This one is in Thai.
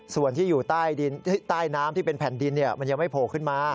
ส่วนที่อยู่ใต้น้ำที่เป็นแผ่นดินมันยังไม่โผล่ขึ้นมา